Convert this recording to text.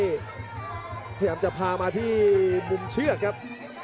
พยายามจะพามาที่มุมเชือกครับ